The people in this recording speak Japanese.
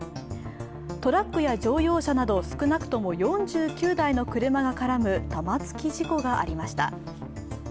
トラックや乗用車など少なくとも４９台の車が絡む玉突き事故がありました。